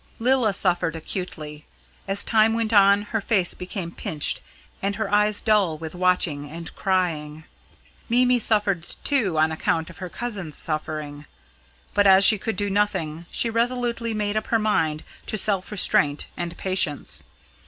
Lilla suffered acutely. As time went on, her face became pinched, and her eyes dull with watching and crying. Mimi suffered too on account of her cousin's suffering. But as she could do nothing, she resolutely made up her mind to self restraint and patience.